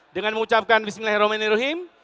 dengan mengucapkan bismillahirrahmanirrahim